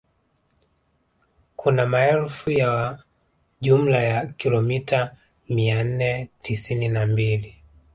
Kuna urefu wa jumla ya kilomita mia nne tisini na mbili